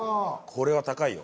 これは高いよ。